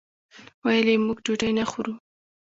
ویل یې موږ ډوډۍ نه خورو.